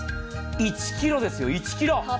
１ｋｇですよ、１ｋｇ。